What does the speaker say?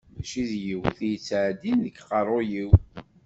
Mačči d yiwet i d-ittɛeddin deg uqerru-yiw.